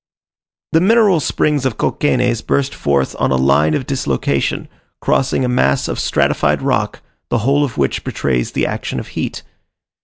The mineral springs of Cauquenes burst forth on a line of dislocation, crossing a mass of stratified rock, the whole of which betrays the action of heat.